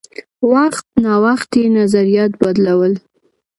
وخت نا وخت یې نظریات بدلول.